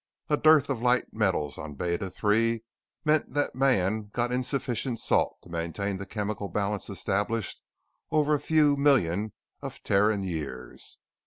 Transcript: A dearth of light metals on Beta III meant that man got insufficient salt to maintain the chemical balance established over a few million of Terran years.